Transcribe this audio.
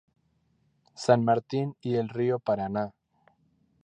San Martín y el río Paraná.